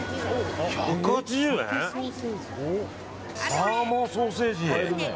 サーモンソーセージ。